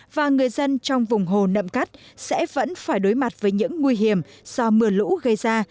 và người dân trong vùng hồ nậm cắt sẽ vẫn phải đối mặt với những nguy hiểm do mưa lũ gây ra